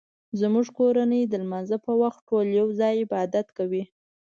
زموږ کورنۍ د لمانځه په وخت ټول یو ځای عبادت کوي